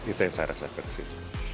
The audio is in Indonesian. itu yang saya rasakan sih